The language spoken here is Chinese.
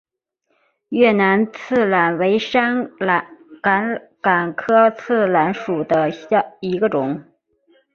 越南刺榄为山榄科刺榄属下的一个种。